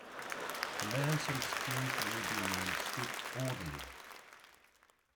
The man so excused will be named 'Stick Orderly'.